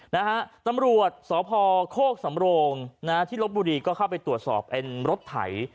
นะฮะตำรวจสพโคกสำโรงนะฮะที่ลบบุรีก็เข้าไปตรวจสอบเป็นรถไถ